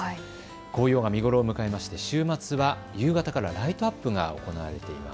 紅葉が見頃を迎えて週末は夕方からライトアップが行われています。